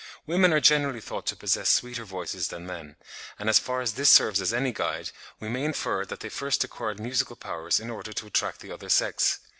Women are generally thought to possess sweeter voices than men, and as far as this serves as any guide, we may infer that they first acquired musical powers in order to attract the other sex.